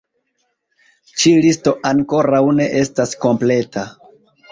Ĉi-listo ankoraŭ ne estas kompleta.